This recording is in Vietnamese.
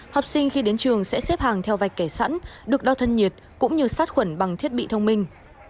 học sinh khi đến trường sẽ xếp hàng theo vạch kẻ sẵn được đo thân nhiệt cũng như sát khuẩn bằng thiết bị thông minh